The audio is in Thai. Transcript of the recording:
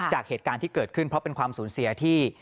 จากเหตุการณ์ที่เกิดขึ้นเพราะเป็นความสูญเสียที่